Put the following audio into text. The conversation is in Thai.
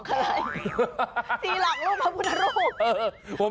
ซีหลักรูปพระพุทธรูป